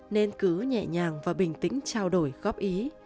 nên cứ nhẹ nhàng và bình tĩnh trao đổi góp ý